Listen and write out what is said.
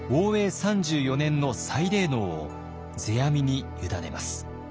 ３４年の祭礼能を世阿弥に委ねます。